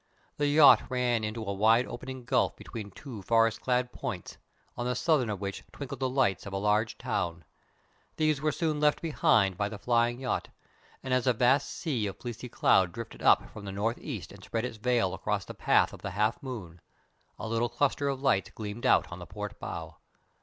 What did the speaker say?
The yacht ran into a wide opening gulf between two forest clad points, on the southern of which twinkled the lights of a large town. These were soon left behind by the flying yacht, and as a vast sea of fleecy cloud drifted up from the north east and spread its veil across the path of the half moon, a little cluster of lights gleamed out on the port bow.